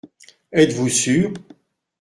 Êtes-vous sûr ?